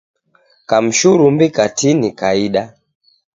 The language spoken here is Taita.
Kamshurumbi katini kaida.